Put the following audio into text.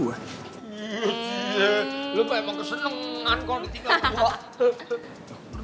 iya iya lo emang kesenengan kalau ditinggal gue